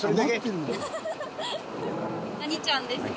何ちゃんですか？